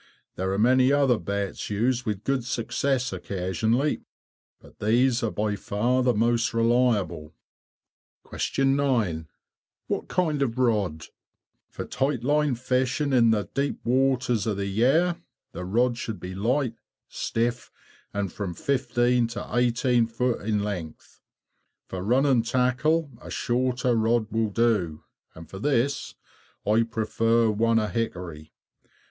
There are many other baits used with good success occasionally, but these are by far the most reliable. 9. What kind of rod? For tight line fishing in the deep waters of the Yare, the rod should be light, stiff, and from 15 to 18 feet in length. For running tackle a shorter rod will do, and for this I prefer one of hickory.